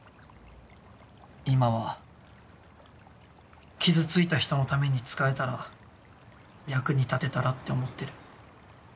今は傷ついた人のために使えたら役に立てたらって思ってる。